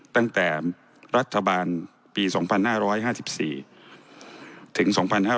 ตั้งแต่รัฐบาลปี๒๕๕๔ถึง๒๕๕๙